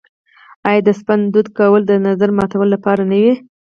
آیا د سپند دود کول د نظر ماتولو لپاره نه وي؟